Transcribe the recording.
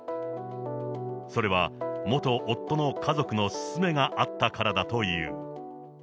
それは元夫の家族の勧めがあったからだという。